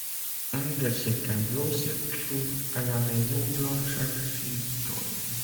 Un de ses tableaux se trouve à la Maison-Blanche à Washington.